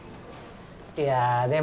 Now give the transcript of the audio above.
いやでも